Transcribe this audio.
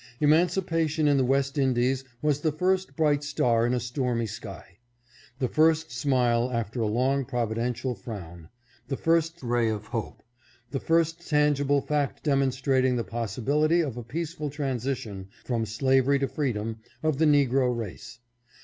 Emanci pation in the West Indies was the first bright star in a stormy sky ; the first smile after a long providential frown ; the first ray of hope ; the first tangible fact dem onstrating the possibility of a peaceable transition from slavery to freedom, of the negro race.